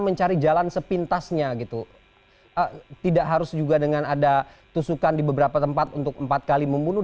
mencari jalan sepintasnya gitu tidak harus juga dengan ada tusukan di beberapa tempat untuk empat kali membunuh